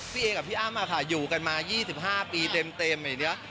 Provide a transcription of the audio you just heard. พี่เอกับพี่อ้ำอะค่ะอยู่กันมายี่สิบห้าปีเต็มอย่างเงี้ย